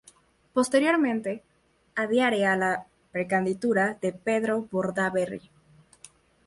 Posteriormente adhiere a la precandidatura de Pedro Bordaberry.